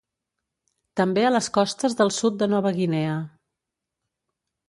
També a les costes del sud de Nova Guinea.